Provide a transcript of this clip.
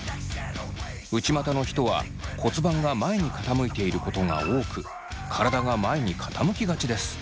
内股の人は骨盤が前に傾いていることが多く体が前に傾きがちです。